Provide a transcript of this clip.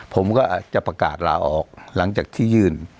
ผมก็จะประกาศลาออกหลังจากที่ยื่น